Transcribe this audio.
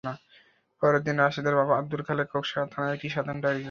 পরদিন রাশেদের বাবা আবদুল খালেক খোকসা থানায় একটি সাধারণ ডায়েরি করেন।